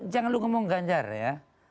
jangan lo ngomong gajar ya